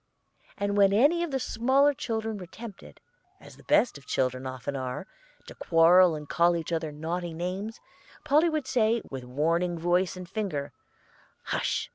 And when any of the smaller children were tempted, as the best of children often are, to quarrel and call each other naughty names, Polly would say, with warning voice and finger, 'Hush!